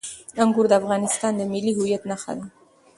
انګور د افغانستان د ملي هویت نښه ده.